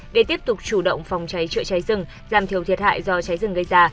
để tiếp tục chủ động phòng cháy chữa cháy rừng giảm thiểu thiệt hại do cháy rừng gây ra